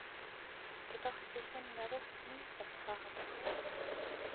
Ta tahtis enne rohkem infot saada.